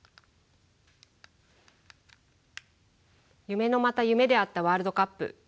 夢のまた夢であったワールドカップ。